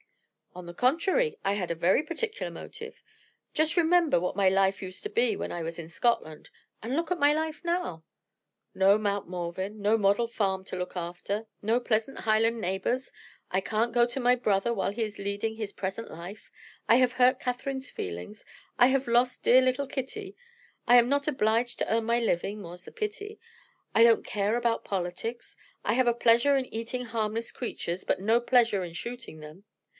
"On the contrary, I had a very particular motive. Just remember what my life used to be when I was in Scotland and look at my life now! No Mount Morven; no model farm to look after; no pleasant Highland neighbors; I can't go to my brother while he is leading his present life; I have hurt Catherine's feelings; I have lost dear little Kitty; I am not obliged to earn my living (more's the pity); I don't care about politics; I have a pleasure in eating harmless creatures, but no pleasure in shooting them.